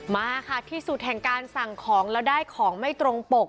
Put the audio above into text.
มาค่ะที่สุดแห่งการสั่งของแล้วได้ของไม่ตรงปก